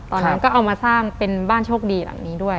ตอนนั้นก็เอามาสร้างเป็นบ้านโชคดีหลังนี้ด้วย